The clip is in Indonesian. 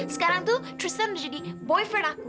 sekarang tuh tristan udah jadi boyfriend aku